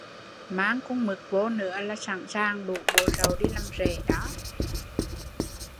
Mang con mực vô nữa là sẵn sàng đủ bộ sậu đi làm rể